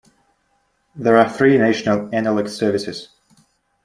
There are three national analogue services.